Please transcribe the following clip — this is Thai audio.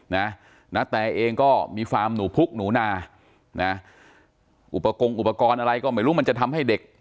นัตแตเองก็มีความหนูพุกหนูนาอุปกรณ์อะไรก็ไม่รู้มันจะทำให้เด็ก